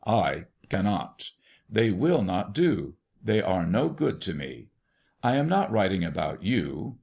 I cannot. They will not do they are no good to me. I am not writing about you.